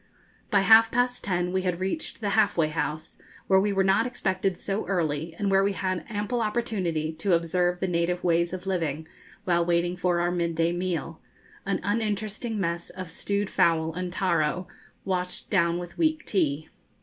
By half past ten we had reached the 'Half way House,' where we were not expected so early, and where we had ample opportunity to observe the native ways of living, while waiting for our midday meal an uninteresting mess of stewed fowl and taro, washed down with weak tea.